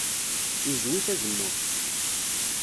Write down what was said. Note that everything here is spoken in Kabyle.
Yezwi tazemmurt.